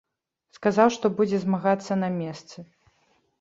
Сказаў, што будзе змагацца на месцы.